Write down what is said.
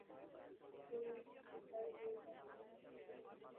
সুচরিতা বইয়ের পাতা হইতে মুখ তুলিল।